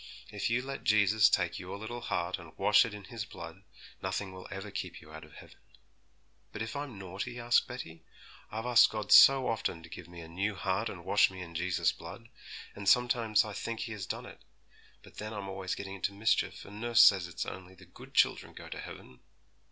If you let Jesus take your little heart and wash it in His blood, nothing will ever keep you out of heaven.' 'But if I'm naughty?' asked Betty. 'I've asked God so often to give me a new heart and wash me in Jesus' blood, and sometimes I think He has done it; but then I'm always getting into mischief, and nurse says it's only the good children go to heaven.'